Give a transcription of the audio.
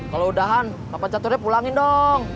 kalo udahan bapak caturnya pulangin dong